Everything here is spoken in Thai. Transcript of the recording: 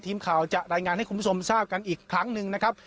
ทีมข่าวจะรายงานให้คุณผู้ชมทราบกันอีกครั้งหนึ่งนะครับ